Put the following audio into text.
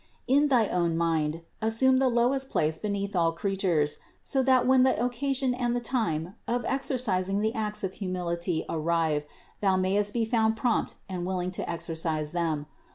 In thy own mind assume the lowest place beneath all crea tures, so that when the occasion and the time of exer cising the acts of humility arrive, thou mayest be found prompt and willing to exercise them.